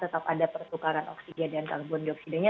tetap ada pertukaran oksigen dan karbon dioksidanya